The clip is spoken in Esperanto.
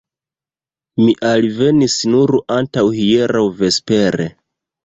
Mi alvenis nur antaŭhieraŭ vespere.